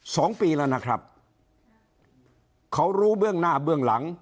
สองปีแล้วนะครับเขารู้เบื้องหน้าเบื้องหลัง